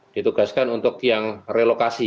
ditugaskan untuk yang relokasi